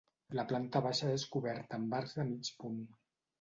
La planta baixa és coberta amb arcs de mig punt.